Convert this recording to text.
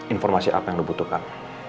informasi apa yang lo butuhkan